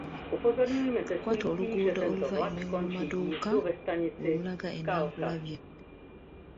Kwata oluguudo oluva e Mmengo mu maduuka olulaga e Naakulabye.